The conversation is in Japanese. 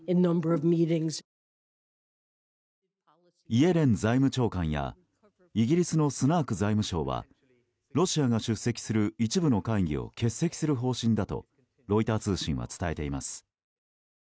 イエレン財務長官やイギリスのスナーク財務相はロシアが出席する一部の会議を欠席する方針だとロイター通信は伝えています。